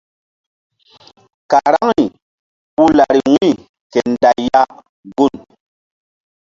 Karaŋri puh lari wu̧y ke nday ya gun.